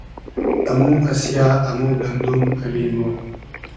امو اسیۂ ، امو گئندوم ، امی مۉ